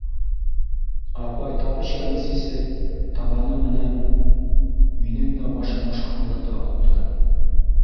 Апай тапочкаһын сисеп, табаны менән минең дә башына шаҡылдата һуҡты.